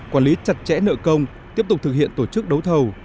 quản lý chặt chẽ nợ công tiếp tục thực hiện tổ chức đấu thầu